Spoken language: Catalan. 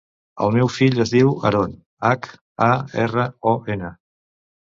El meu fill es diu Haron: hac, a, erra, o, ena.